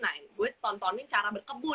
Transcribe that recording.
nah ini gue nontonin cara berkebul